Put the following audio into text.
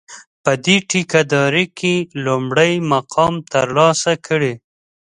په دې ټېکه داري کې لومړی مقام ترلاسه کړي.